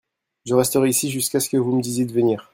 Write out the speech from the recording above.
Je resterai ici jusquà ce que vous me disiez de venir.